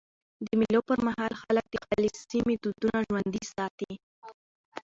د مېلو پر مهال خلک د خپل سیمي دودونه ژوندي ساتي.